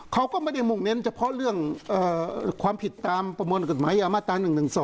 เขาก็ไม่ได้มุ่งเน้นเฉพาะเรื่องความผิดตามประมวลกฎหมายยามาตรา๑๑๒